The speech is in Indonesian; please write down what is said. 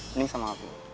mending sama aku